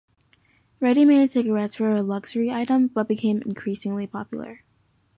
Readymade cigarettes were a luxury item, but became increasingly popular.